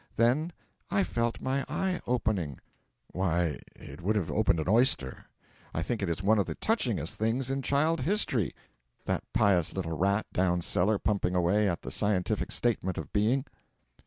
Then 'I felt my eye opening.' Why, it would have opened an oyster. I think it is one of the touchingest things in child history, that pious little rat down cellar pumping away at the Scientific Statement of Being.